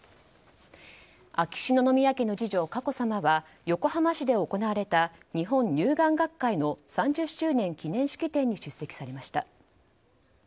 秋篠宮家の次女・佳子さまは横浜市で行われた日本乳癌学会の３０周年記念式典に出席されました。